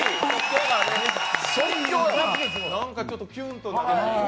なんかちょっと、キュンとなる。